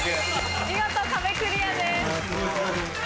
見事壁クリアです。